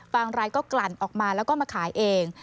รายก็กลั่นออกมาแล้วก็มาขายเอง